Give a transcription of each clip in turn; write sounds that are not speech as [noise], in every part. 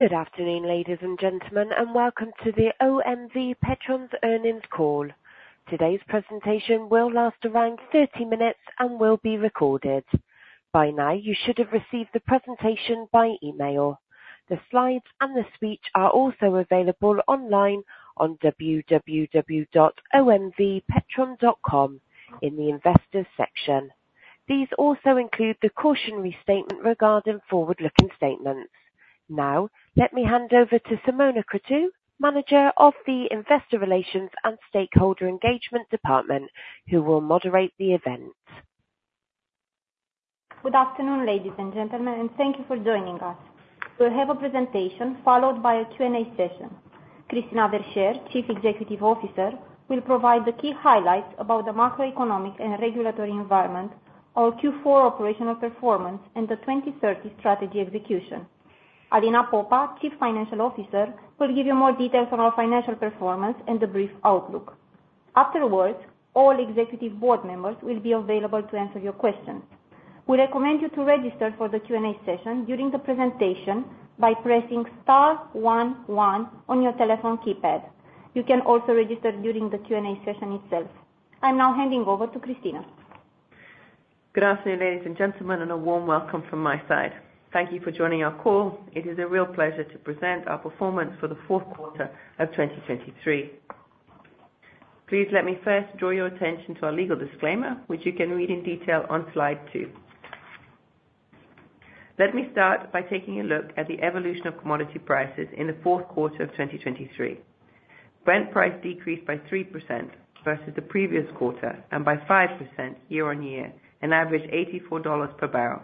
Good afternoon, ladies and gentlemen, and welcome to the OMV Petrom Earnings Call. Today's presentation will last around 30 minutes and will be recorded. By now, you should have received the presentation by email. The slides and the speech are also available online on www.omvpetrom.com in the investors section. These also include the cautionary statement regarding forward-looking statements. Now, let me hand over to Simona Cruțu, Manager of the Investor Relations and Stakeholder Engagement Department, who will moderate the event. Good afternoon, ladies and gentlemen, and thank you for joining us. We'll have a presentation followed by a Q&A session. Christina Verchere, Chief Executive Officer, will provide the key highlights about the macroeconomic and regulatory environment, our Q4 operational performance, and the 2030 strategy execution. Alina Popa, Chief Financial Officer, will give you more details on our financial performance and the brief outlook. Afterwards, all executive board members will be available to answer your questions. We recommend you to register for the Q&A session during the presentation by pressing star one one on your telephone keypad. You can also register during the Q&A session itself. I'm now handing over to Christina. Good afternoon, ladies and gentlemen, and a warm welcome from my side. Thank you for joining our call. It is a real pleasure to present our performance for the fourth quarter of 2023. Please let me 1st draw your attention to our legal disclaimer, which you can read in detail on slide two. Let me start by taking a look at the evolution of commodity prices in the fourth quarter of 2023. Brent price decreased by 3% versus the previous quarter, and by 5% year-on-year, an average $84 per barrel.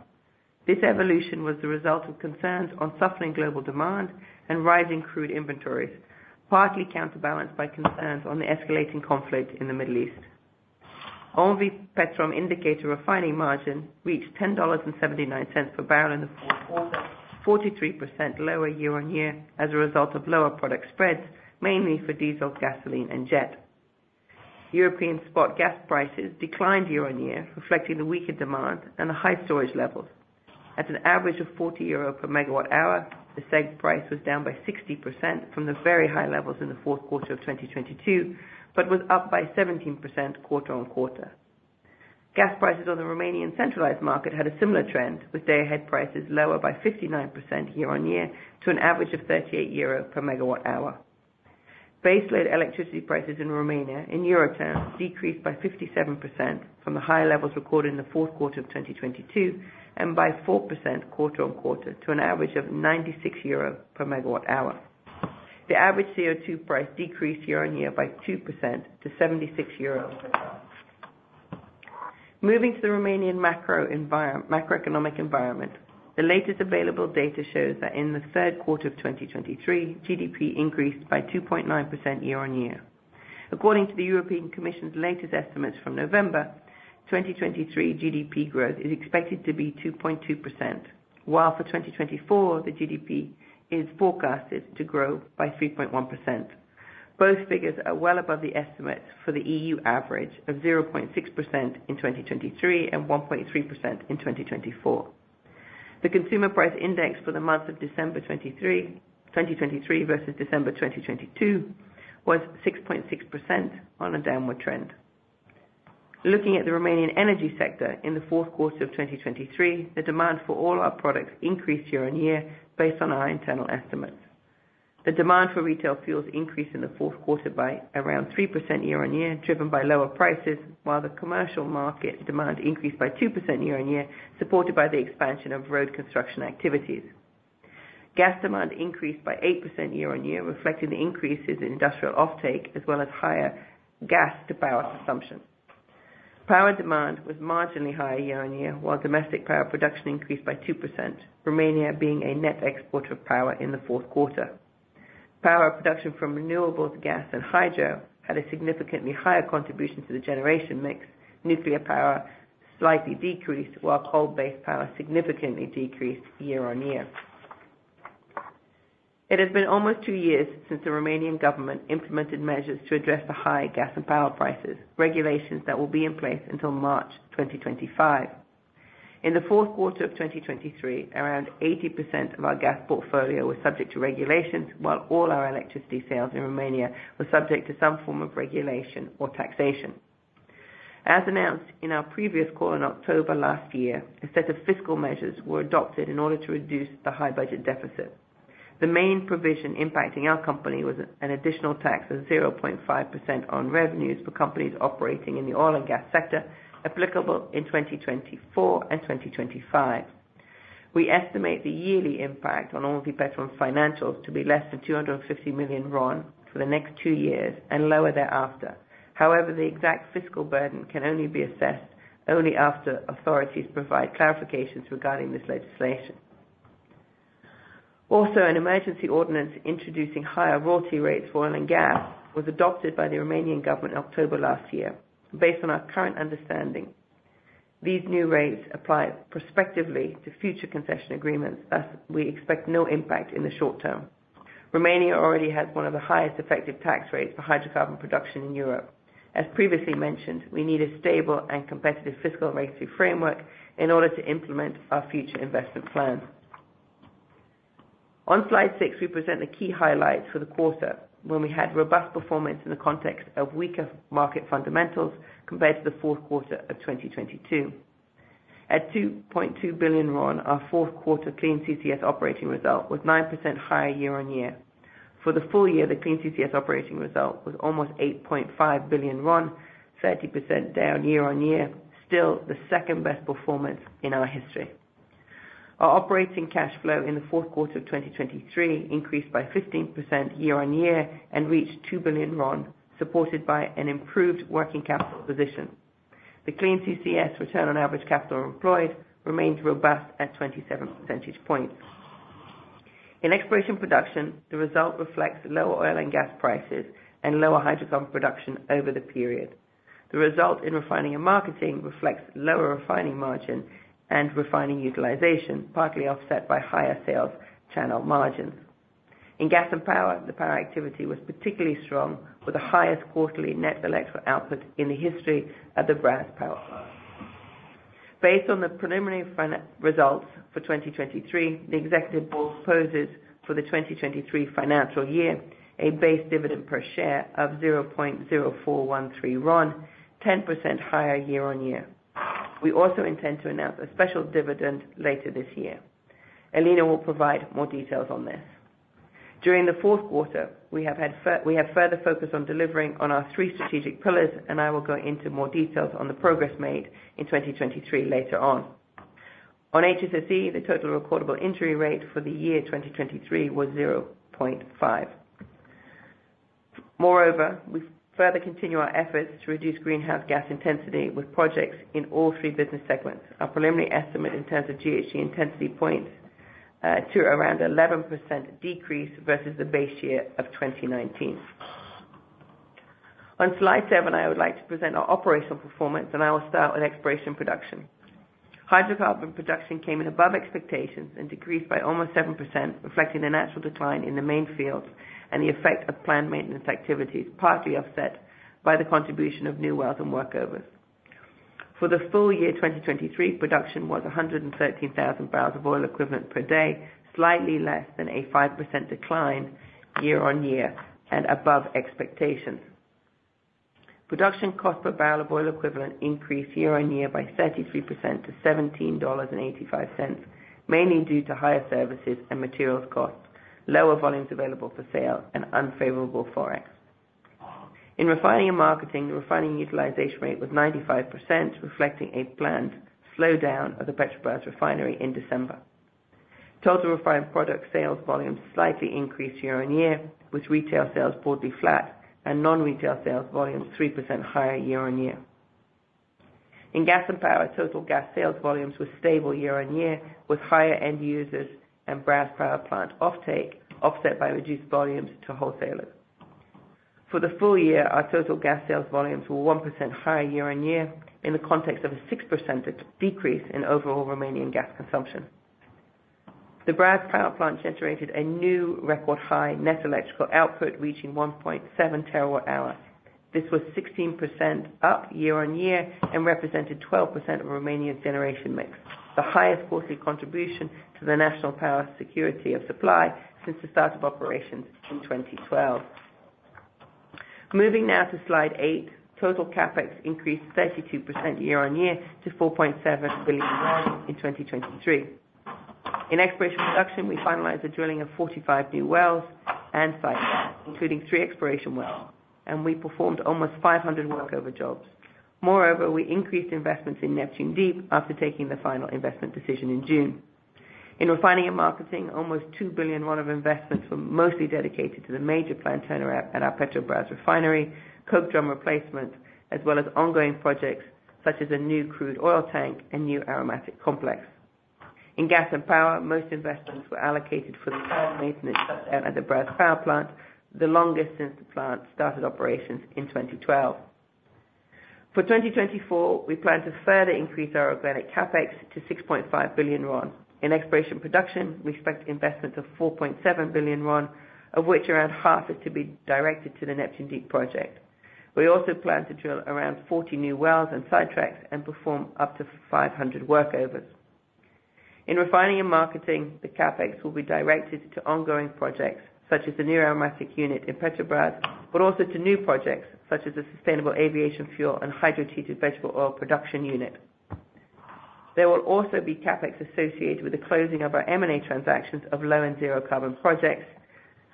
This evolution was the result of concerns on suffering global demand and rising crude inventories, partly counterbalanced by concerns on the escalating conflict in the Middle East. OMV Petrom indicator refining margin reached $10.79 per barrel in the fourth quarter, 43% lower year-on-year as a result of lower product spreads, mainly for diesel, gasoline, and jet. European spot gas prices declined year-on-year, reflecting the weaker demand and the high storage levels. At an average of 40 euro per MWh, the CEGH price was down by 60% from the very high levels in the fourth quarter of 2022, but was up by 17% quarter-on-quarter. Gas prices on the Romanian centralized market had a similar trend, with day-ahead prices lower by 59% year-on-year to an average of 38 euro per MWh. Base load electricity prices in Romania, in euro terms, decreased by 57% from the high levels recorded in the fourth quarter of 2022, and by 4% quarter-on-quarter to an average of 96 euro per MWh. The average CO2 price decreased year-on-year by 2% to 76 euros. Moving to the Romanian macroeconomic environment, the latest available data shows that in the third quarter of 2023, GDP increased by 2.9% year-on-year. According to the European Commission's latest estimates from November 2023, GDP growth is expected to be 2.2%, while for 2024, the GDP is forecasted to grow by 3.1%. Both figures are well above the estimates for the EU average of 0.6% in 2023, and 1.3% in 2024. The consumer price index for the month of December 2023, 2023 versus December 2022, was 6.6% on a downward trend. Looking at the Romanian energy sector in the fourth quarter of 2023, the demand for all our products increased year-on-year based on our internal estimates. The demand for retail fuels increased in the fourth quarter by around 3% year-on-year, driven by lower prices, while the commercial market demand increased by 2% year-on-year, supported by the expansion of road construction activities. Gas demand increased by 8% year-on-year, reflecting the increases in industrial offtake, as well as higher gas to power consumption. Power demand was marginally higher year-on-year, while domestic power production increased by 2%, Romania being a net exporter of power in the fourth quarter. Power production from renewables, gas and hydro had a significantly higher contribution to the generation mix. Nuclear power slightly decreased, while coal-based power significantly decreased year-over-year. It has been almost two years since the Romanian government implemented measures to address the high gas and power prices, regulations that will be in place until March 2025. In the fourth quarter of 2023, around 80% of our gas portfolio was subject to regulations, while all our electricity sales in Romania were subject to some form of regulation or taxation. As announced in our previous call in October last year, a set of fiscal measures were adopted in order to reduce the high budget deficit. The main provision impacting our company was an additional tax of 0.5% on revenues for companies operating in the oil and gas sector, applicable in 2024 and 2025. We estimate the yearly impact on OMV Petrom financials to be less than RON 250 million for the next two years and lower thereafter. However, the exact fiscal burden can only be assessed after authorities provide clarifications regarding this legislation. Also, an emergency ordinance introducing higher royalty rates for oil and gas was adopted by the Romanian government in October last year. Based on our current understanding, these new rates apply prospectively to future concession agreements, thus, we expect no impact in the short term. Romania already has one of the highest effective tax rates for hydrocarbon production in Europe. As previously mentioned, we need a stable and competitive fiscal regulatory framework in order to implement our future investment plans. On slide six, we present the key highlights for the quarter, when we had robust performance in the context of weaker market fundamentals compared to the fourth quarter of 2022. At RON 2.2 billion, our fourth quarter Clean CCS operating result was 9% higher year-on-year. For the full year, the Clean CCS operating result was almost RON 8.5 billion, 30% down year-on-year, still the 2nd best performance in our history. Our operating cash flow in the fourth quarter of 2023 increased by 15% year-on-year and reached RON 2 billion, supported by an improved working capital position. The Clean CCS return on average capital employed remains robust at 27 percentage points. In exploration production, the result reflects lower oil and gas prices and lower hydrocarbon production over the period. The result in refining and marketing reflects lower refining margin and refining utilization, partly offset by higher sales channel margins. In gas and power, the power activity was particularly strong, with the highest quarterly net electrical output in the history of the Brașov Power Plant. Based on the preliminary results for 2023, the executive board proposes for the 2023 financial year, a base dividend per share of RON 0.0413, 10% higher year-on-year. We also intend to announce a special dividend later this year. Alina will provide more details on this. During the fourth quarter, we have further focused on delivering on our three strategic pillars, and I will go into more details on the progress made in 2023 later on. On HSSE, the total recordable injury rate for the year 2023 was 0.5. Moreover, we further continue our efforts to reduce greenhouse gas intensity with projects in all three business segments. Our preliminary estimate in terms of GHG intensity points to around 11% decrease versus the base year of 2019. On Slide seven, I would like to present our operational performance, and I will start with exploration production. Hydrocarbon production came in above expectations and decreased by almost 7%, reflecting the natural decline in the main fields and the effect of planned maintenance activities, partly offset by the contribution of new wells and workovers. For the full year 2023, production was 113,000 barrels of oil equivalent per day, slightly less than a 5% decline year-on-year and above expectations. Production cost per barrel of oil equivalent increased year-on-year by 33% to $17.85, mainly due to higher services and materials costs, lower volumes available for sale, and unfavorable Forex. In refining and marketing, the refining utilization rate was 95%, reflecting a planned slowdown of the Petrobrazi refinery in December. Total refined product sales volumes slightly increased year-on-year, with retail sales broadly flat and non-retail sales volumes 3% higher year-on-year. In gas and power, total gas sales volumes were stable year-on-year, with higher end users and Brașov power plant offtake offset by reduced volumes to wholesalers. For the full year, our total gas sales volumes were 1% higher year-on-year, in the context of a 6% decrease in overall Romanian gas consumption. The Brașov Power Plant generated a new record-high net electrical output, reaching 1.7 TWh. This was 16% up year-on-year and represented 12% of Romanian generation mix, the highest quarterly contribution to the national power security of supply since the start of operations in 2012. Moving now to Slide eight, total CapEx increased 32% year-on-year to RON 4.7 billion in 2023. In exploration production, we finalized the drilling of 45 new wells and sidetracks, including three exploration wells, and we performed almost 500 workover jobs. Moreover, we increased investments in Neptun Deep after taking the final investment decision in June. In refining and marketing, almost RON 2 billion of investments were mostly dedicated to the major plant turnaround at our Petrobrazi refinery, coke drum replacement, as well as ongoing projects such as a new crude oil tank and new aromatic complex. In gas and power, most investments were allocated for the planned maintenance at the Brașov Power Plant, the longest since the plant started operations in 2012. For 2024, we plan to further increase our organic CapEx to RON 6.5 billion. In exploration production, we expect investments of RON 4.7 billion, of which around half are to be directed to the Neptun Deep project. We also plan to drill around 40 new wells and sidetracks and perform up to 500 workovers. In refining and marketing, the CapEx will be directed to ongoing projects, such as the new aromatic unit in Petrobrazi, but also to new projects, such as the sustainable aviation fuel and hydrotreated vegetable oil production unit. There will also be CapEx associated with the closing of our M&A transactions of low and zero carbon projects.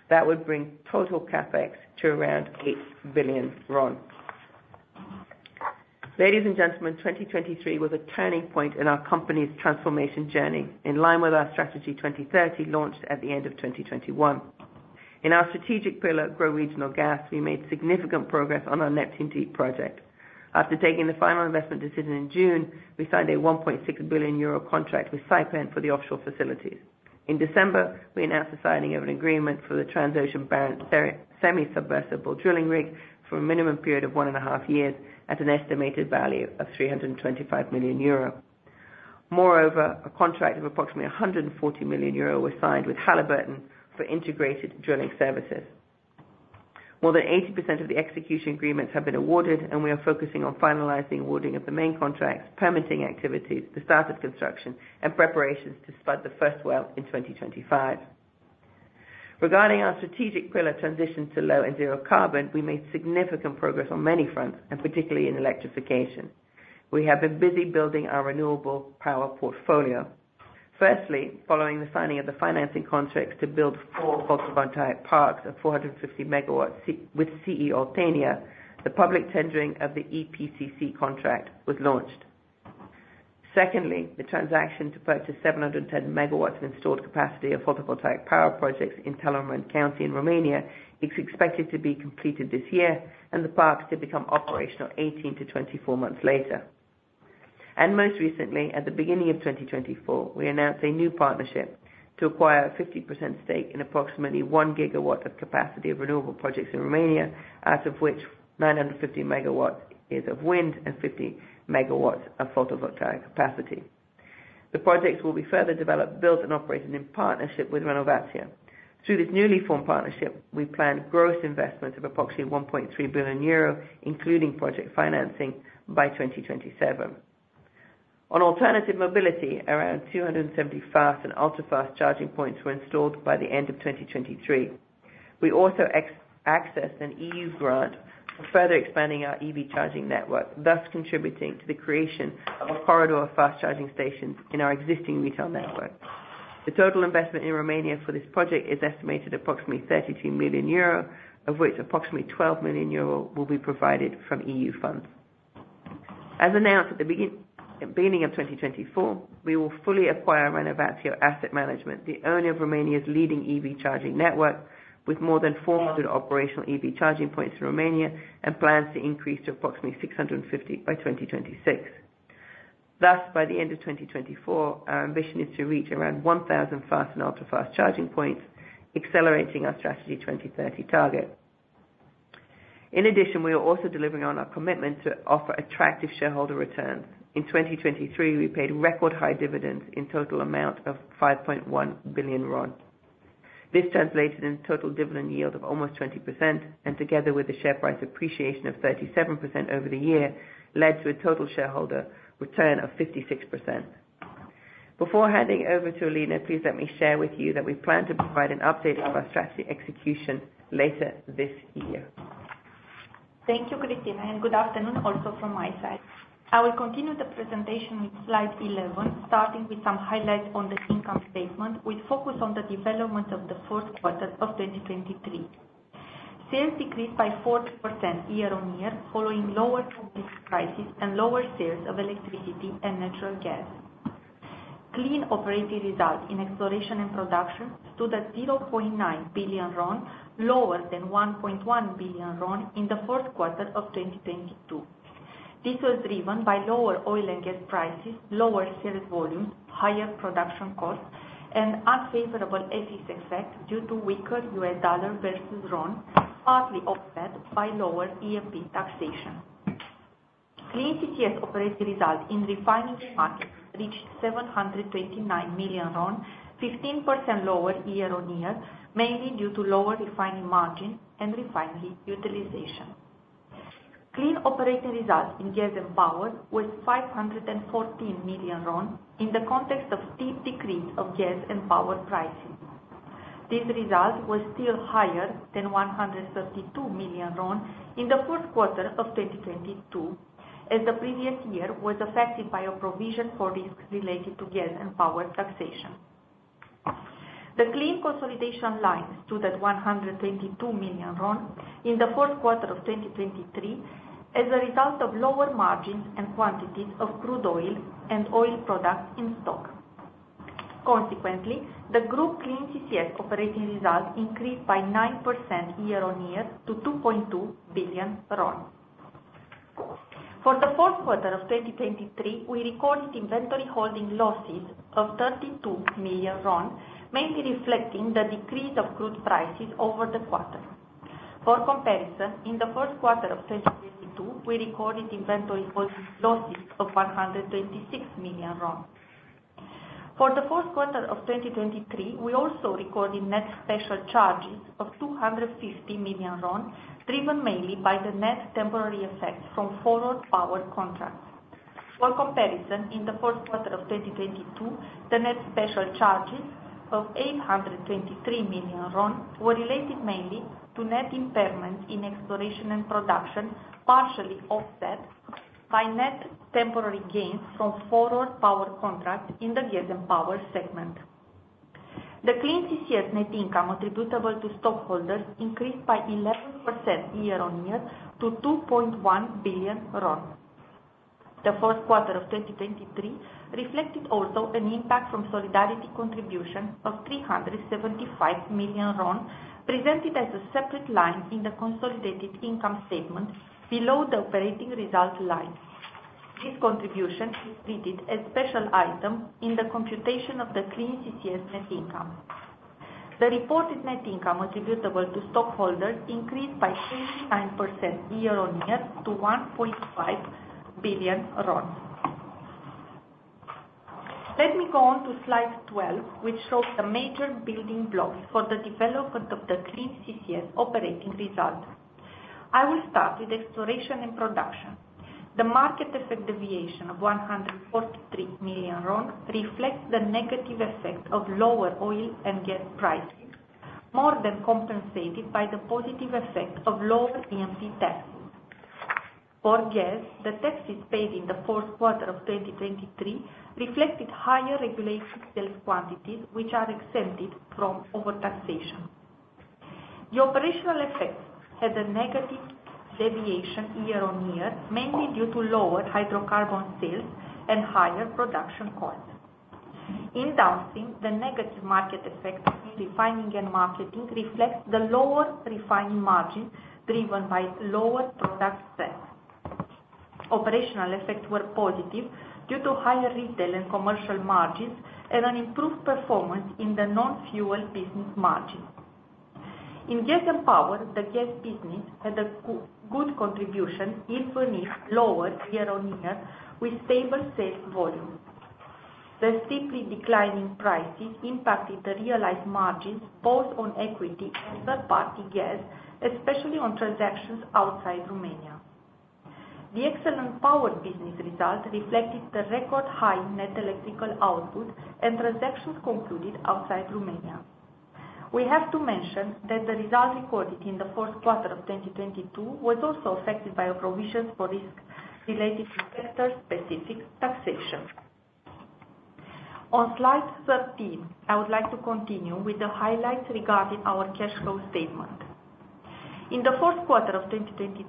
That would bring total CapEx to around 8 billion RON. Ladies and gentlemen, 2023 was a turning point in our company's transformation journey, in line with our Strategy 2030, launched at the end of 2021. In our strategic pillar, Grow Regional Gas, we made significant progress on our Neptun Deep project. After taking the final investment decision in June, we signed a 1.6 billion euro contract with Saipem for the offshore facilities. In December, we announced the signing of an agreement for the Transocean Barents semi-submersible drilling rig for a minimum period of one and a half years at an estimated value of 325 million euro. Moreover, a contract of approximately 140 million euro was signed with Halliburton for integrated drilling services. More than 80% of the execution agreements have been awarded, and we are focusing on finalizing awarding of the main contracts, permitting activities, the start of construction, and preparations to spud the first well in 2025. Regarding our strategic pillar transition to low and zero carbon, we made significant progress on many fronts, and particularly in electrification. We have been busy building our renewable power portfolio. Firstly, following the signing of the financing contracts to build four photovoltaic parks of 450 MW with CE Oltenia, the public tendering of the EPCC contract was launched. Secondly, the transaction to purchase 710 MW of installed capacity of photovoltaic power projects in Teleorman County in Romania is expected to be completed this year, and the parks to become operational 18-24 months later. And most recently, at the beginning of 2024, we announced a new partnership to acquire a 50% stake in approximately 1 GW of capacity of renewable projects in Romania, out of which 950 MW is of wind and 50 MW of photovoltaic capacity. The projects will be further developed, built, and operated in partnership with Renovatio. Through this newly formed partnership, we plan gross investments of approximately 1.3 billion euro, including project financing by 2027. On alternative mobility, around 270 fast and ultra-fast charging points were installed by the end of 2023. We also accessed an EU grant for further expanding our EV charging network, thus contributing to the creation of corridor fast charging stations in our existing retail network. The total investment in Romania for this project is estimated at approximately 32 million euro, of which approximately 12 million euro will be provided from EU funds. As announced at the beginning of 2024, we will fully acquire Renovatio Asset Management, the owner of Romania's leading EV charging network, with more than 400 operational EV charging points in Romania, and plans to increase to approximately 650 by 2026. Thus, by the end of 2024, our ambition is to reach around 1,000 fast and ultra-fast charging points, accelerating our Strategy 2030 target. In addition, we are also delivering on our commitment to offer attractive shareholder returns. In 2023, we paid record high dividends in total amount of RON 5.1 billion. This translated into a total dividend yield of almost 20%, and together with the share price appreciation of 37% over the year, led to a total shareholder return of 56%. Before handing over to Alina, please let me share with you that we plan to provide an update of our strategy execution later this year. Thank you, Christina, and good afternoon also from my side. I will continue the presentation with slide 11, starting with some highlights on the income statement, with focus on the development of the fourth quarter of 2023. Sales decreased by 40% year-on-year, following lower crude prices and lower sales of electricity and natural gas. Clean operating results in exploration and production stood at RON 0.9 billion, lower than RON 1.1 billion in the fourth quarter of 2022. This was driven by lower oil and gas prices, lower sales volumes, higher production costs, and unfavorable FX effects due to weaker U.S. dollar versus RON, partly offset by lower E&P taxation. Clean CCS operating results in refining margins reached RON 729 million, 15% lower year-on-year, mainly due to lower refining margins and refining utilization. Clean operating results in gas and power was 514 million RON in the context of steep decrease of gas and power prices. This result was still higher than 132 million RON in the fourth quarter of 2022, as the previous year was affected by a provision for risks related to gas and power taxation. The clean consolidation line stood at 122 million RON in the fourth quarter of 2023, as a result of lower margins and quantities of crude oil and oil products in stock. Consequently, the group Clean CCS operating results increased by 9% year-on-year to 2.2 billion RON. For the fourth quarter of 2023, we recorded inventory holding losses of 32 million RON, mainly reflecting the decrease of crude prices over the quarter. For comparison, in the first quarter of 2022, we recorded inventory holding losses of RON 126 million. For the fourth quarter of 2023, we also recorded net special charges of RON 250 million, driven mainly by the net temporary effects from forward power contracts. For comparison, in the first quarter of 2022, the net special charges of RON 823 million were related mainly to net impairment in exploration and production, partially offset by net temporary gains from forward power contracts in the gas and power segment. The Clean CCS net income attributable to stockholders increased by 11% year-on-year to RON 2.1 billion. The fourth quarter of 2023 reflected also an impact from solidarity contribution of RON 375 million, presented as a separate line in the consolidated income statement below the operating results line. This contribution is treated as special item in the computation of the Clean CCS net income. The reported net income attributable to stockholders increased by 29% year-on-year to RON 1.5 billion. Let me go on to slide 12, which shows the major building blocks for the development of the three CCS operating results. I will start with exploration and production. The market effect deviation of RON 143 million reflects the negative effect of lower oil and gas prices, more than compensated by the positive effect of lower E&P taxes. For gas, the taxes paid in the fourth quarter of 2023 reflected higher regulated sales quantities, which are exempted from overtaxation. The operational effects had a negative deviation year-on-year, mainly due to lower hydrocarbon sales and higher production costs. In downstream, the negative market effect in refining and marketing reflects the lower refining margin, driven by lower product sales. Operational effects were positive due to higher retail and commercial margins and an improved performance in the non-fuel business margins. In gas and power, the gas business had a good contribution, even if lower year-on-year, with stable sales volume. The steeply declining prices impacted the realized margins, both on equity and third-party gas, especially on transactions outside Romania. The excellent power business results reflected the record high net electrical output and transactions concluded outside Romania. We have to mention that the results recorded in the fourth quarter of 2022 was also affected by a provision for risk related to sector-specific taxation. On slide 13, I would like to continue with the highlights regarding our cash flow statement. In the fourth quarter of 2022,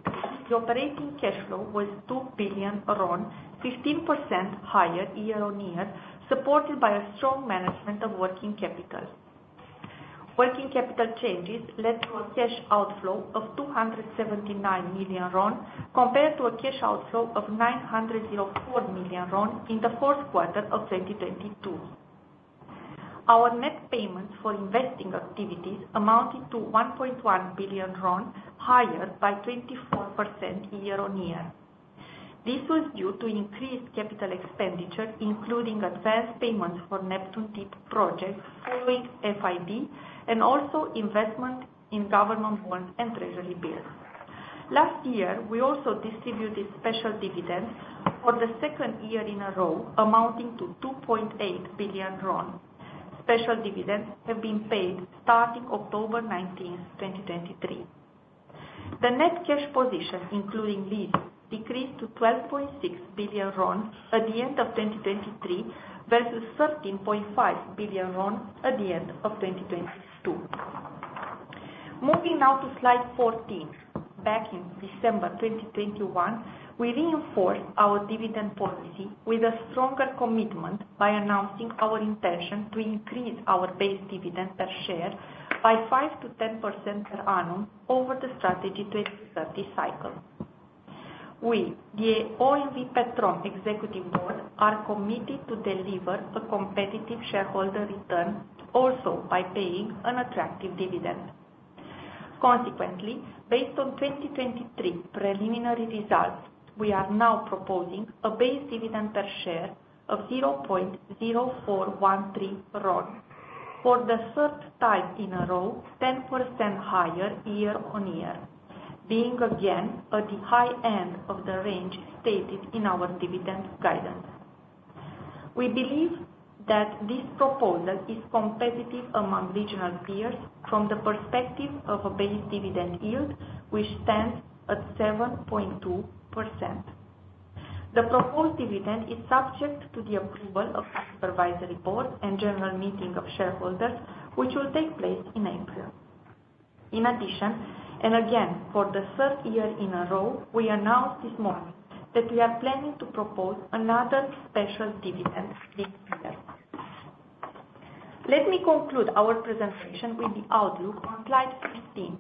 the operating cash flow was RON 2 billion, 15% higher year-on-year, supported by a strong management of working capital. Working capital changes led to a cash outflow of RON 279 million, compared to a cash outflow of RON 904 million in the fourth quarter of 2022. Our net payments for investing activities amounted to RON 1.1 billion, higher by 24% year-on-year. This was due to increased capital expenditures, including advanced payments for Neptun Deep projects, following FID, and also investment in government bonds and treasury bills. Last year, we also distributed special dividends for the 2nd year in a row, amounting to RON 2.8 billion. Special dividends have been paid starting October 19, 2023. The net cash position, including these, decreased to RON 12.6 billion at the end of 2023, versus RON 13.5 billion at the end of 2022. Moving now to slide 14. Back in December 2021, we reinforced our dividend policy with a stronger commitment by announcing our intention to increase our base dividend per share by 5%-10% per annum over the strategy 2030 cycle. We, the OMV Petrom Executive Board, are committed to deliver a competitive shareholder return also by paying an attractive dividend. Consequently, based on 2023 preliminary results, we are now proposing a base dividend per share of RON 0.0413. For the 3rd time in a row, 10% higher year-on-year, being again at the high end of the range stated in our dividend guidance. We believe that this proposal is competitive among regional peers from the perspective of a base dividend yield, which stands at 7.2%. The proposed dividend is subject to the approval of the supervisory board and general meeting of shareholders, which will take place in April. In addition, and again, for the third year in a row, we announced this morning that we are planning to propose another special dividend this year. Let me conclude our presentation with the outlook on slide 15.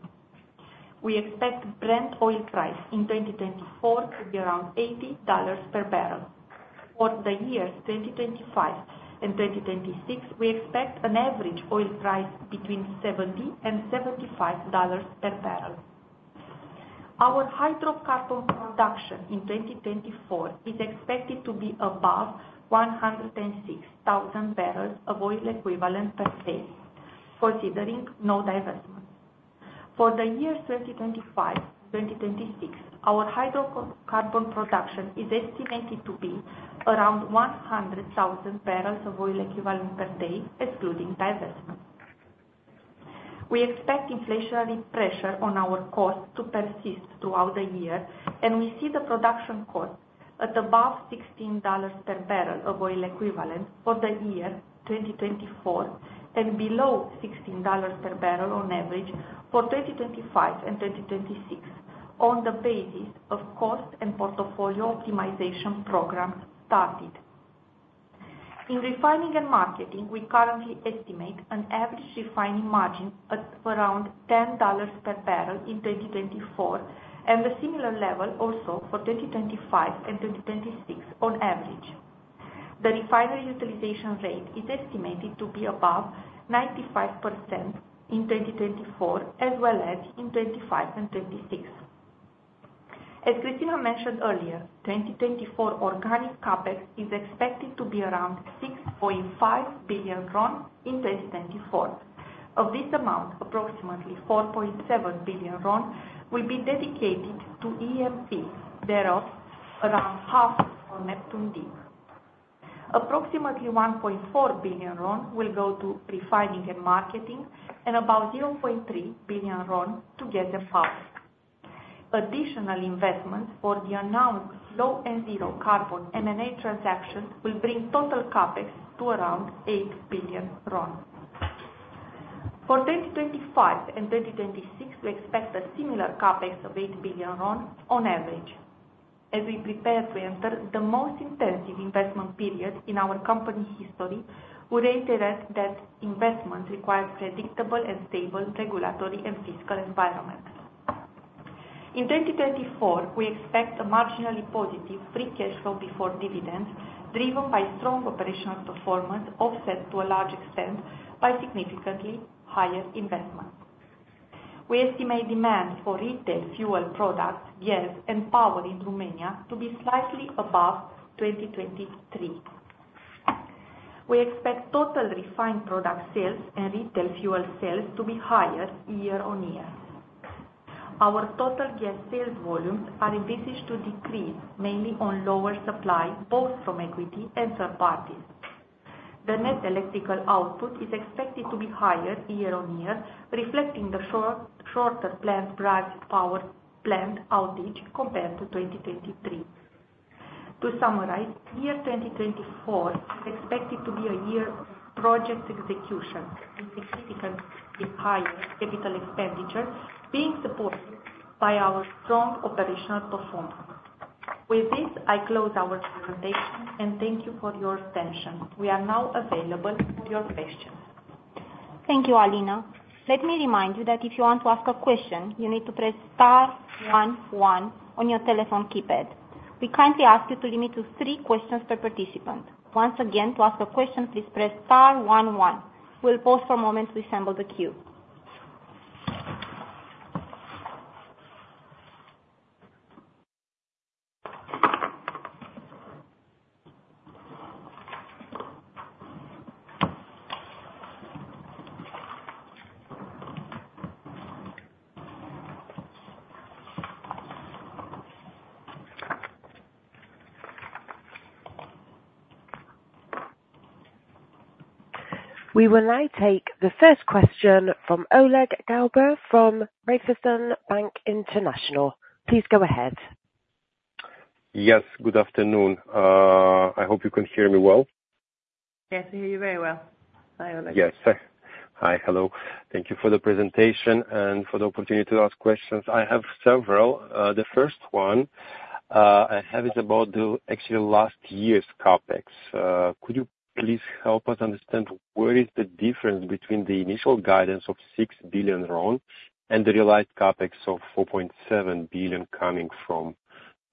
We expect Brent oil price in 2024 to be around $80 per barrel. For the years 2025 and 2026, we expect an average oil price between $70 and $75 per barrel. Our hydrocarbon production in 2024 is expected to be above 106,000 barrels of oil equivalent per day, considering no divestment. For the years 2025, 2026, our hydrocarbon production is estimated to be around 100,000 barrels of oil equivalent per day, excluding divestment. We expect inflationary pressure on our costs to persist throughout the year, and we see the production costs at above $16 per barrel of oil equivalent for the year 2024, and below $16 per barrel on average for 2025 and 2026, on the basis of cost and portfolio optimization programs started. In refining and marketing, we currently estimate an average refining margin at around $10 per barrel in 2024, and a similar level also for 2025 and 2026 on average. The refinery utilization rate is estimated to be above 95% in 2024, as well as in 2025 and 2026. As Christina mentioned earlier, 2024 organic CapEx is expected to be around RON 6.5 billion in 2024. Of this amount, approximately RON 4.7 billion will be dedicated to E&P, thereof, around half for Neptun Deep. Approximately RON 1.4 billion will go to refining and marketing, and about RON 0.3 billion to gas and power. Additional investments for the announced low and zero carbon M&A transactions will bring total CapEx to around RON 8 billion. For 2025 and 2026, we expect a similar CapEx of RON 8 billion on average. As we prepare to enter the most intensive investment period in our company history, we reiterate that investments require predictable and stable regulatory and fiscal environment. In 2024, we expect a marginally positive free cash flow before dividends, driven by strong operational performance, offset to a large extent by significantly higher investment. We estimate demand for retail fuel products, gas and power in Romania to be slightly above 2023. We expect total refined product sales and retail fuel sales to be higher year-on-year. Our total gas sales volumes are envisaged to decrease, mainly on lower supply, both from equity and third parties. The net electrical output is expected to be higher year-on-year, reflecting the shorter planned power plant outage compared to 2023. To summarize, year 2024 is expected to be a year of project execution and significant higher capital expenditure, being supported by our strong operational performance. With this, I close our presentation, and thank you for your attention. We are now available for your questions. Thank you, Alina. Let me remind you that if you want to ask a question, you need to press star one one on your telephone keypad. We kindly ask you to limit to three questions per participant. Once again, to ask a question, please press star one one. We'll pause for a moment to assemble the queue. We will now take the first question from Oleg Galbur from Raiffeisen Bank International. Please go ahead. Yes, good afternoon. I hope you can hear me well. Yes, we hear you very well. Hi, Oleg. Yes. Hi, hello. Thank you for the presentation and for the opportunity to ask questions. I have several. The first one I have is about the actual last year's CapEx. Could you please help us understand where is the difference between the initial guidance of RON 6 billion and the realized CapEx of RON 4.7 billion coming from?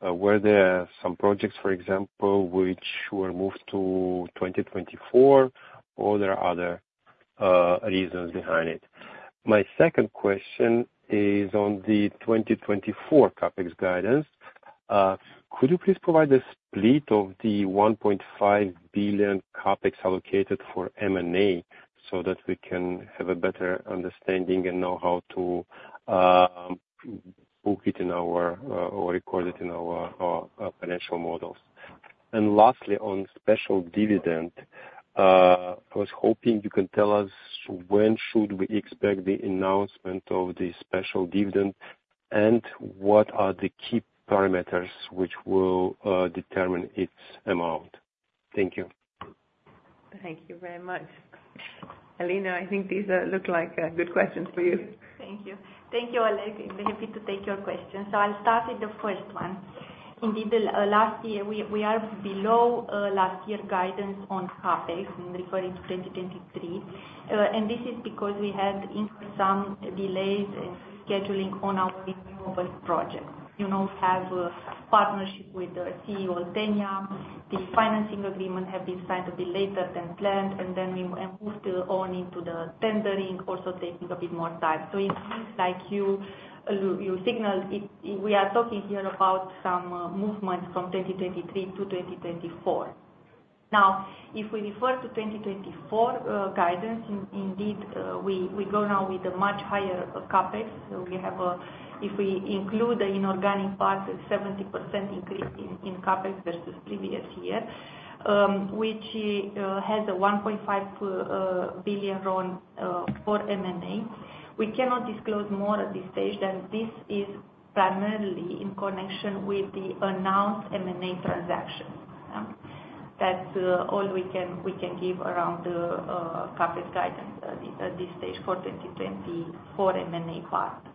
Were there some projects, for example, which were moved to 2024, or there are other reasons behind it? My second question is on the 2024 CapEx guidance. Could you please provide a split of the RON 1.5 billion CapEx allocated for M&A so that we can have a better understanding and know how to book it in our or record it in our financial models? Lastly, on special dividend, I was hoping you can tell us when should we expect the announcement of the special dividend, and what are the key parameters which will determine its amount? Thank you. Thank you very much. Alina, I think these look like good questions for you. Thank you. Thank you, Oleg. I'm happy to take your questions, so I'll start with the first one. Indeed, last year, we are below last year guidance on CapEx in referring to 2023. And this is because we had in some delays in scheduling on our renewable project. You know, have a partnership with CE Oltenia. The financing agreement have been signed a bit later than planned, and then we, and moved on into the tendering, also taking a bit more time. So it seems like you signaled it. We are talking here about some movement from 2023 to 2024. Now, if we refer to 2024 guidance, indeed, we go now with a much higher CapEx. So we have, if we include the inorganic part, 70% increase in CapEx versus previous year, which has a RON 1.5 billion for M&A. We cannot disclose more at this stage, and this is primarily in connection with the announced M&A transaction. That's all we can give around the CapEx guidance at this stage for 2024 M&A part.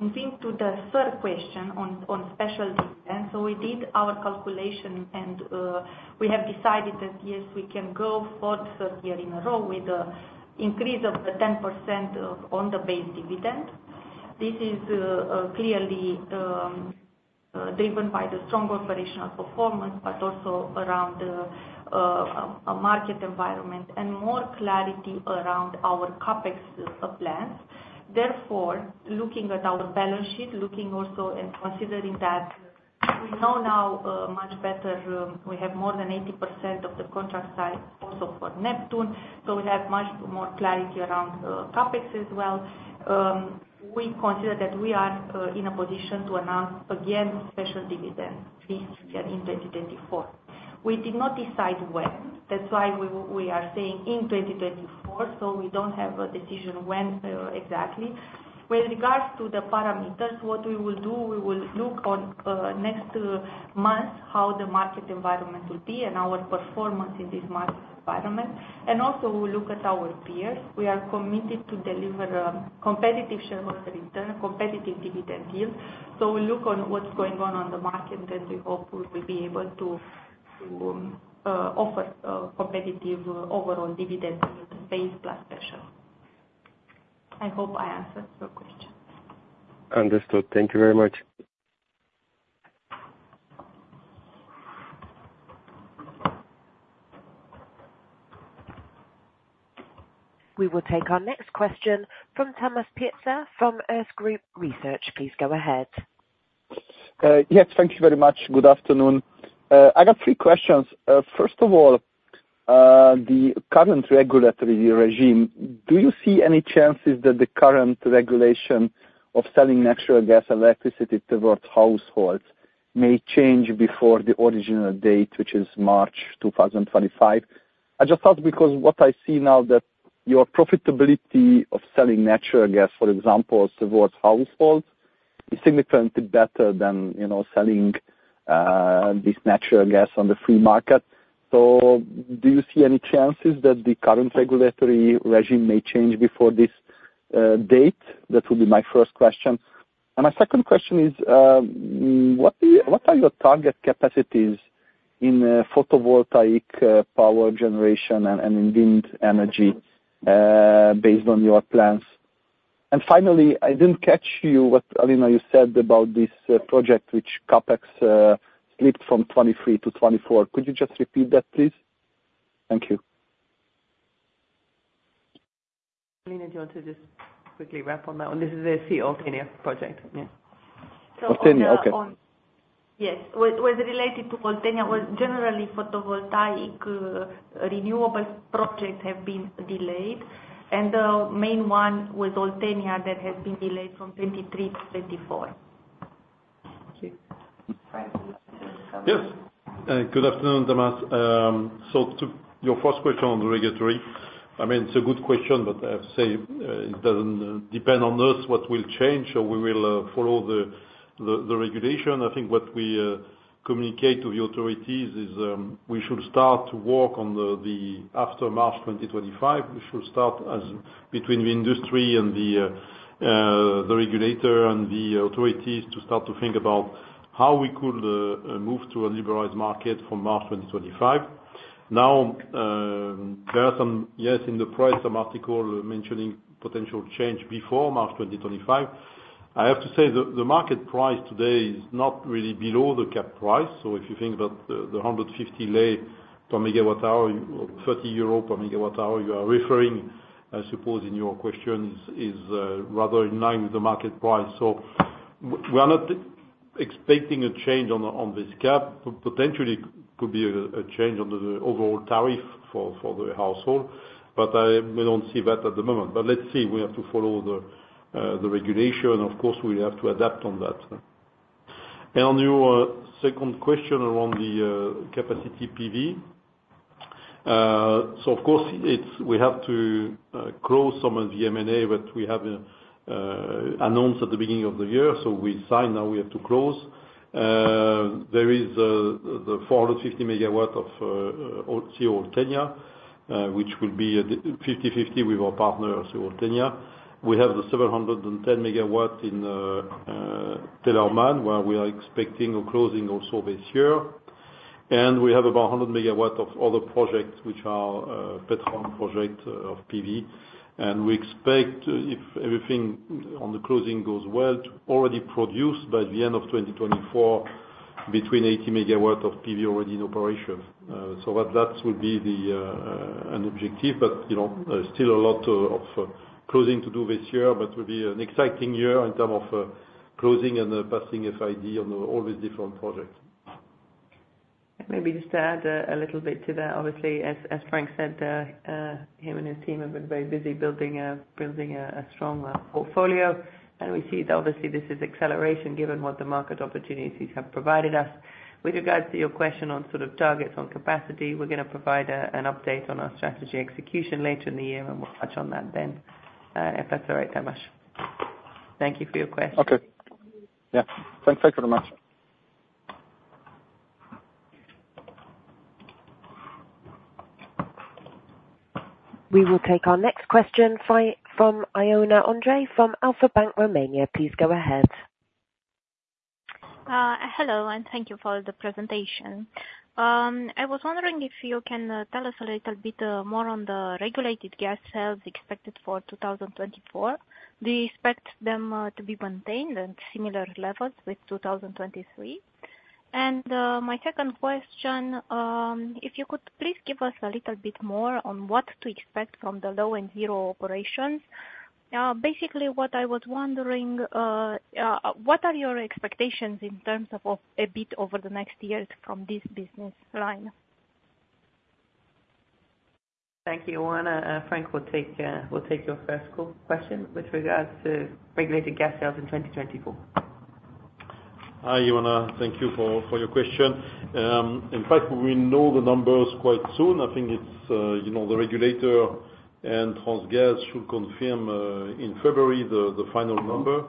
Moving to the third question on special dividend. So we did our calculation, and we have decided that, yes, we can go for the third year in a row with an increase of 10% on the base dividend. This is clearly driven by the strong operational performance, but also around a market environment and more clarity around our CapEx plans. Therefore, looking at our balance sheet, looking also and considering that we know now much better, we have more than 80% of the contract size also for Neptune, so we have much more clarity around, CapEx as well. We consider that we are in a position to announce again special dividend this year in 2024. We did not decide when, that's why we, we are saying in 2024, so we don't have a decision when, exactly. With regards to the parameters, what we will do, we will look on, next, month, how the market environment will be and our performance in this market environment. And also we'll look at our peers. We are committed to deliver, competitive shareholder return, competitive dividend yield. We'll look on what's going on on the market, and we hope we will be able to offer competitive overall dividend base plus special. I hope I answered your question. Understood. Thank you very much. We will take our next question from Tamás Pletser from Erste Group Research. Please go ahead. Yes, thank you very much. Good afternoon. I got three questions. First of all, the current regulatory regime, do you see any chances that the current regulation of selling natural gas, electricity towards households may change before the original date, which is March 2025? I just thought because what I see now, that your profitability of selling natural gas, for example, towards households, is significantly better than, you know, selling this natural gas on the free market. So do you see any chances that the current regulatory regime may change before this date? That would be my first question. And my second question is, what are your target capacities in photovoltaic power generation and in wind energy based on your plans? Finally, I didn't catch what you said, Alina, about this project, which CapEx slipped from 2023 to 2024. Could you just repeat that, please? Thank you. Alina, do you want to just quickly wrap on that one? This is a CE Oltenia project. Yeah. So, okay. [crosstalk] Yes. With related to Oltenia, well, generally photovoltaic, renewable projects have been delayed, and the main one with Oltenia, that has been delayed from 2023 to 2024. Okay. Franck? Yes. Good afternoon, Tamas. So to your first question on the regulatory, I mean, it's a good question, but I have to say, it doesn't depend on us what will change or we will follow the, the, the regulation. I think what we communicate to the authorities is, we should start to work on the, the after March 2025. We should start as between the industry and the, the regulator and the authorities, to start to think about how we could move to a liberalized market from March 2025. Now, there are some, yes, in the press, some article mentioning potential change before March 2025. I have to say, the, the market price today is not really below the cap price. So if you think that the RON 150 per MWh, or 30 euro per MWh, you are referring, I suppose, in your questions, is rather in line with the market price. So we are not expecting a change on the, on this cap. Potentially could be a change on the overall tariff for, for the household, but I- We don't see that at the moment. But let's see, we have to follow the regulation. Of course, we have to adapt on that. And on your second question around the capacity PV. So of course, it's we have to close some of the M&A that we have announced at the beginning of the year. So we sign, now, we have to close. There is the 450 MW of CE Oltenia, which will be at 50/50 with our partner, CE Oltenia. We have the 710 MW in Teleorman, where we are expecting a closing also this year. And we have about 100 MW of other projects which are Petrom projects of PV. And we expect, if everything on the closing goes well, to already produce by the end of 2024, between 80 MW of PV already in operation. So that, that will be the an objective, but, you know, still a lot of closing to do this year. But will be an exciting year in terms of closing and passing FID on all these different projects. Maybe just to add, a little bit to that. Obviously, as Frank said, him and his team have been very busy building a, building a strong portfolio. And we see that obviously this is acceleration, given what the market opportunities have provided us. With regards to your question on sort of targets on capacity, we're gonna provide an update on our strategy execution later in the year, and we'll touch on that then. If that's all right, Tamas. Thank you for your question. Okay. Yeah. Thank you very much. We will take our next question from Ioana Andrei from Alpha Bank Romania. Please go ahead. Hello, and thank you for the presentation. I was wondering if you can tell us a little bit more on the regulated gas sales expected for 2024. Do you expect them to be maintained at similar levels with 2023? My second question, if you could please give us a little bit more on what to expect from the low and zero operations. Basically, what I was wondering, what are your expectations in terms of EBIT over the next years from this business line? Thank you, Ioana. Franck will take your first question with regards to regulated gas sales in 2024. Hi, Ioana, thank you for your question. In fact, we know the numbers quite soon. I think it's, you know, the regulator and Transgaz should confirm in February the final number.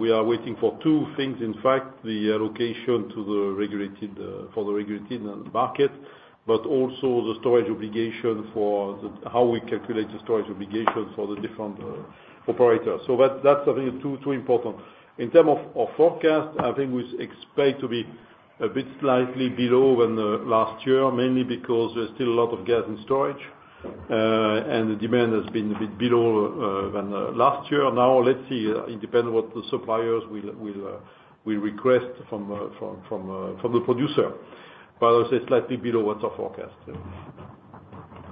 We are waiting for two things, in fact, the allocation to the regulated for the regulated market, but also the storage obligation for the- how we calculate the storage obligation for the different operators. So that's I think is two important. In term of forecast, I think we expect to be a bit slightly below than last year, mainly because there's still a lot of gas in storage. And the demand has been a bit below than last year. Now, let's see, it depend what the suppliers will request from the producer. But I would say slightly below what's our forecast.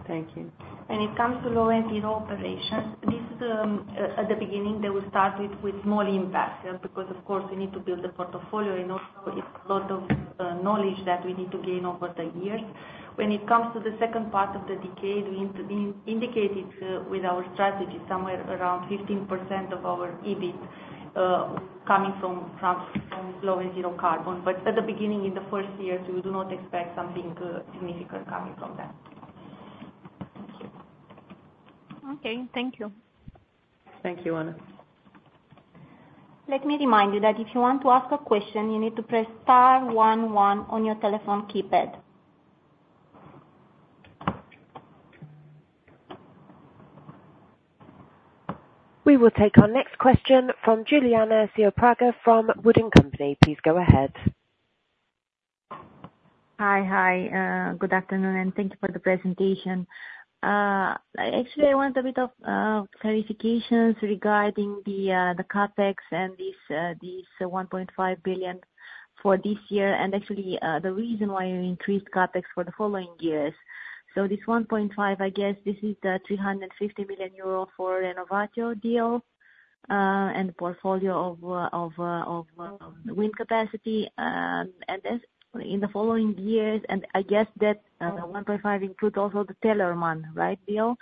Thank you. When it comes to low and zero operations, this is, at the beginning, they will start with small impact, because of course, we need to build a portfolio, and also it's a lot of knowledge that we need to gain over the years. When it comes to the second part of the decade, we need to be indicated with our strategy, somewhere around 15% of our EBIT, coming from low and zero carbon. But at the beginning, in the first years, we do not expect something significant coming from that. Thank you. Okay, thank you. Thank you, Ioana. Let me remind you that if you want to ask a question, you need to press star one one on your telephone keypad. We will take our next question from Iuliana Ciopraga from Wood & Company. Please go ahead. Hi, hi, good afternoon, and thank you for the presentation. Actually, I want a bit of clarifications regarding the CapEx and this 1.5 billion for this year, and actually the reason why you increased CapEx for the following years. So this 1.5 billion, I guess this is the 350 million euro for Renovatio deal, and the portfolio of wind capacity. And then in the following years, and I guess that the 1.5 billion include also the Teleorman, right, deal?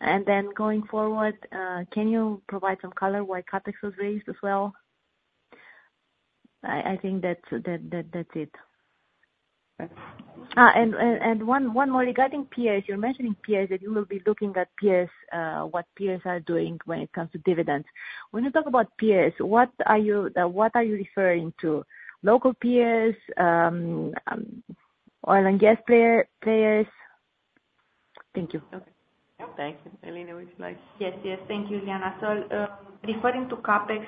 And then going forward, can you provide some color why CapEx was raised as well? I think that's it. Okay. One more regarding peers. You're mentioning peers, that you will be looking at peers, what peers are doing when it comes to dividends. When you talk about peers, what are you, what are you referring to? Local peers, oil and gas players? Thank you. Okay. Thanks. Alina, would you like- Yes, yes. Thank you, Iuliana. So, referring to CapEx,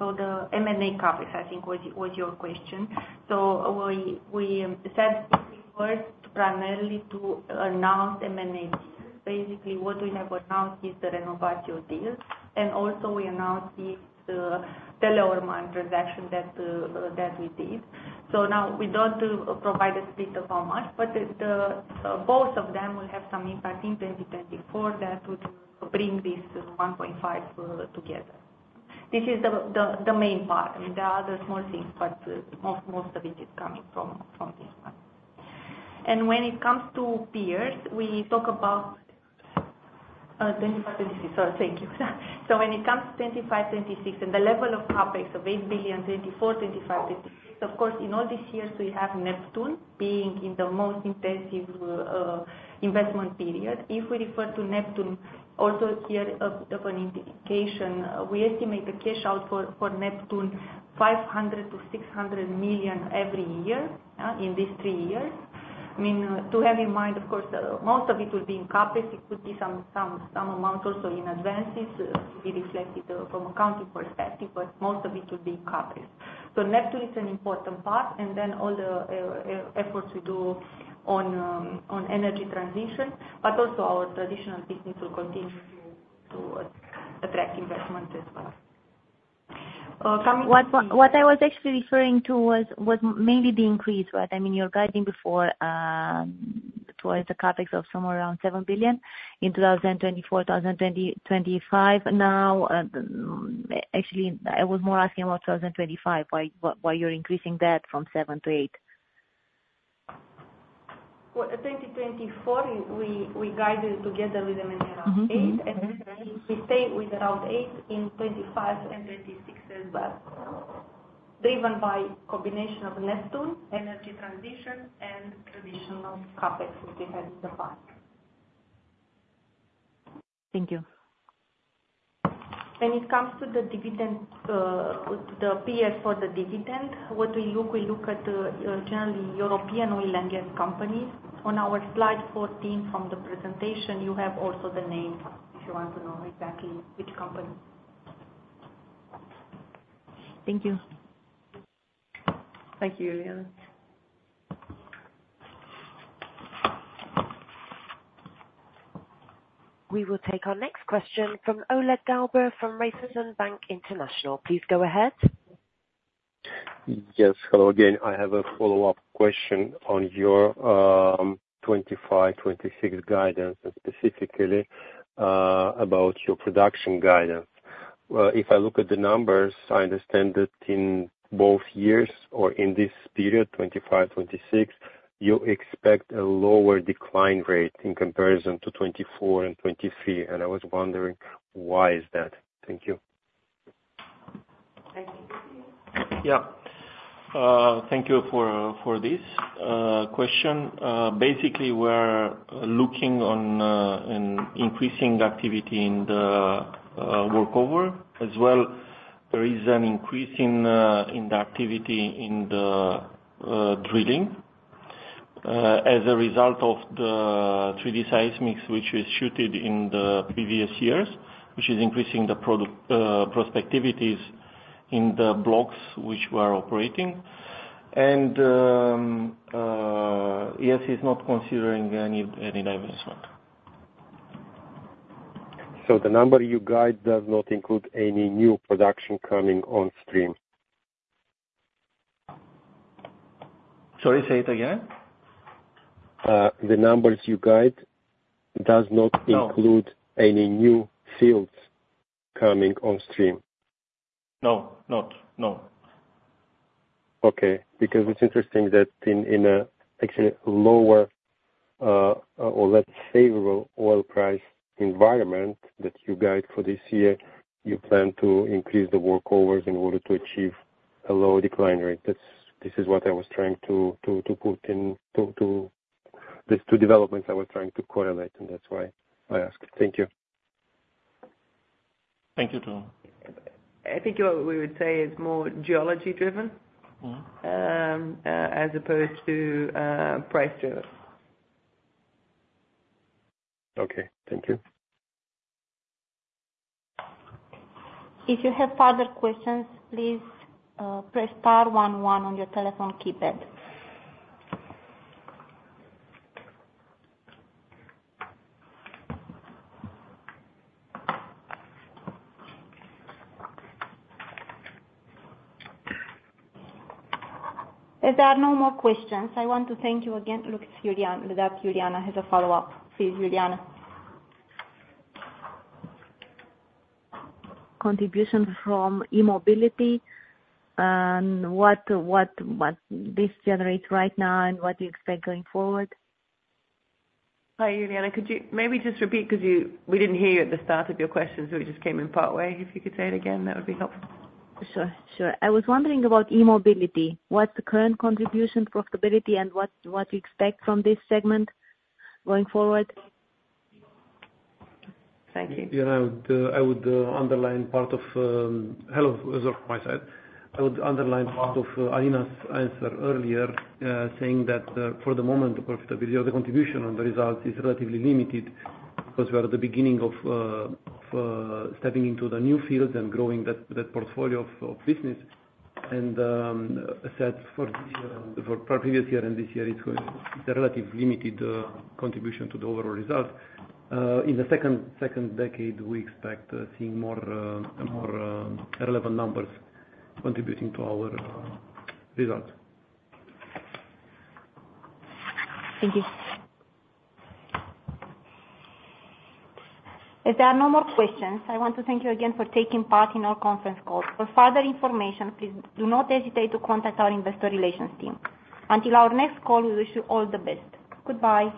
so the M&A CapEx, I think was, was your question. So we, we set it first primarily to announce M&A deals. Basically, what we have announced is the Renovatio deal, and also we announced this, Teleorman transaction that, that we did. So now we don't provide a split of how much, but it, both of them will have some impact in 2024, that would bring this 1.5 together. This is the main part. I mean, there are other small things, but, most, most of it is coming from, from this one. And when it comes to peers, we talk about... 2025, 2026. Oh, thank you. So when it comes to 2025, 2026, and the level of CapEx of RON 8 billion, 2024, 2025, 2026, of course, in all these years, we have Neptun being in the most intensive investment period. If we refer to Neptun, also here of an indication, we estimate the cash out for Neptun, 500 million-600 million every year in these three years. I mean, to have in mind, of course, most of it will be in CapEx. It could be some amount also in advances to be reflected from accounting perspective, but most of it will be in CapEx. So Neptun is an important part, and then all the efforts we do on energy transition, but also our traditional business will continue to attract investment as well. Coming- What I was actually referring to was mainly the increase, right? I mean, you're guiding before towards the CapEx of somewhere around RON 7 billion in 2024, 2025. Now, actually, I was more asking about 2025, why, what, why you're increasing that from RON 7 billion to RON 8 billion? Well, 2024, we guided together with them in around eight. Mm-hmm, mm-hmm. [audio distortion] We stay with around eight in 2025 and 2026 as well. Driven by combination of Neptun, energy transition, and traditional CapEx, which we have defined. Thank you. When it comes to the dividend, the peers for the dividend, what we look at, generally European oil and gas companies. On our slide 14 from the presentation, you have also the names. If you want to know exactly which company. Thank you. Thank you, Iuliana. We will take our next question from Oleg Galbur from Raiffeisen Bank International. Please go ahead. Yes. Hello again. I have a follow-up question on your 2025, 2026 guidance, and specifically about your production guidance. If I look at the numbers, I understand that in both years or in this period, 2025, 2026, you expect a lower decline rate in comparison to 2024 and 2023, and I was wondering why is that? Thank you. Thank you. Yeah. Thank you for this question. Basically, we're looking on in increasing the activity in the workover. As well, there is an increase in the activity in the drilling as a result of the 3D seismic, which was shot in the previous years, which is increasing the prospectivities in the blocks which we are operating. And yes, he's not considering any divestment. The number you guide does not include any new production coming on stream? Sorry, say it again. The numbers you guide does not- No. Include any new fields coming on stream? No. Not no. Okay. Because it's interesting that in a actually lower, or less favorable oil price environment that you guide for this year, you plan to increase the workovers in order to achieve a lower decline rate. That's... This is what I was trying to put into... These two developments I was trying to correlate, and that's why I asked. Thank you. Thank you too. I think what we would say is more geology driven- Mm-hmm. as opposed to price driven. Okay, thank you. If you have further questions, please, press star one one on your telephone keypad. If there are no more questions, I want to thank you again. Look, it's Iuliana. That's Iuliana has a follow-up. Please, Iuliana. Contribution from E-Mobility and what this generates right now and what do you expect going forward? Hi, Iuliana. Could you maybe just repeat, 'cause you... We didn't hear you at the start of your question, so it just came in part way. If you could say it again, that would be helpful. Sure. Sure. I was wondering about E-Mobility. What's the current contribution, profitability, and what you expect from this segment going forward? Thank you. You know, I would underline part of... Hello, this is from my side. I would underline part of Alina's answer earlier, saying that for the moment, the profitability or the contribution on the result is relatively limited, because we are at the beginning of stepping into the new field and growing that portfolio of business. And I said, for this year and for previous year and this year, it's a relatively limited contribution to the overall result. In the second decade, we expect seeing more relevant numbers contributing to our results. Thank you. If there are no more questions, I want to thank you again for taking part in our conference call. For further information, please do not hesitate to contact our investor relations team. Until our next call, we wish you all the best. Goodbye!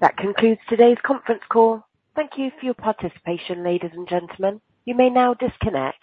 That concludes today's conference call. Thank you for your participation, ladies and gentlemen. You may now disconnect.